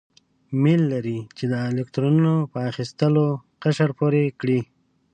میل لري چې د الکترونو په اخیستلو قشر پوره کړي.